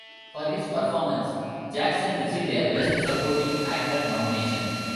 For his performance, Jackson received a Best Supporting Actor nomination.